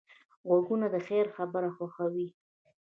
غوږونه د خیر خبره خوښوي